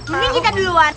mending kita duluan